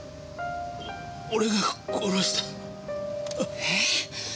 お俺が殺した。え！？